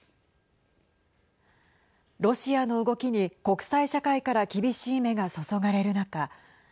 ロシアの動きに国際社会から厳しい目が注がれる中